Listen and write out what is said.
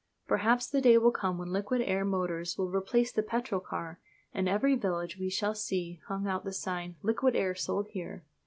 Perhaps the day will come when liquid air motors will replace the petrol car, and in every village we shall see hung out the sign, "Liquid air sold here."